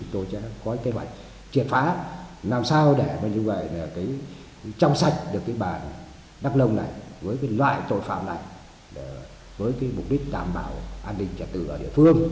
triệt phá làm sao để trong sạch được bản đắk nông này với loại tội phạm này với mục đích đảm bảo an ninh trả tự ở địa phương